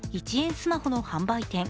スマホの販売店。